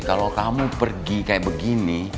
kalau kamu pergi kayak begini